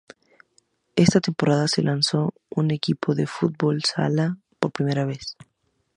Esta temporada se lanzó un equipo de "fútbol sala" por primera vez.